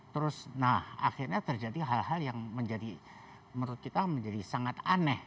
terus nah akhirnya terjadi hal hal yang menjadi menurut kita menjadi sangat aneh